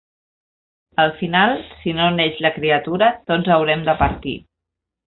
Al final, si no neix la criatura, tots haurem de partir.